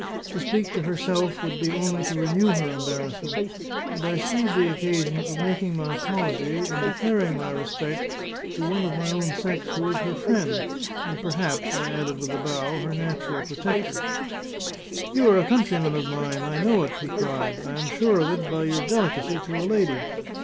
To speak to herself would be only to renew her embarrassment, and I seize the occasion of making my apology, and declaring my respect, to one of my own sex who is her friend, and perhaps," I added, with a bow, "her natural protector." "You are a countryman of mine; I know it!" he cried: "I am sure of it by your delicacy to a lady.